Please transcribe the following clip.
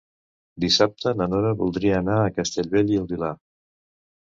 Dissabte na Nora voldria anar a Castellbell i el Vilar.